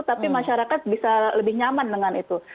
tapi masyarakat bisa lebih nyaman dengan itu